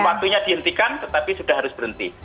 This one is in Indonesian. waktunya dihentikan tetapi sudah harus berhenti